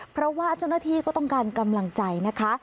เพราะว่าเจ้าหน้าที่ก็ต้องการกำลังใจนะคะ